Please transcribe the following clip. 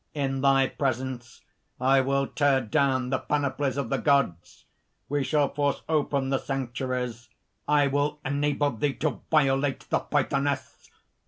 "In thy presence I will tear down the panoplies of the Gods; we shall force open the sanctuaries, I will enable thee to violate the Pythoness!"